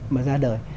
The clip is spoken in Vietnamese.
mà ra đây